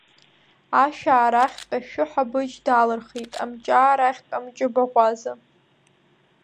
Ашәаа рахьтә Ашәы Ҳабыџь даалырхит, Амҷаа рахьтә Амҷы Баӷәаза.